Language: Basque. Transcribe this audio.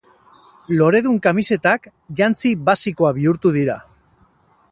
Loredun kamisetak jantzi basikoa bihurtu dira.